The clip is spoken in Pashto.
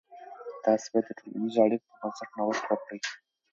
تاسې باید د ټولنیزو اړیکو پر بنسټ نوښت وکړئ.